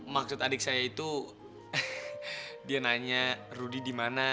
maksud adik saya itu dia nanya rudy di mana